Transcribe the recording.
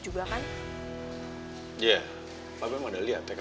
oh ini dia dia omong omong mereka